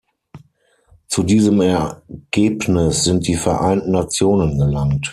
Zu diesem Ergebnis sind die Vereinten Nationen gelangt.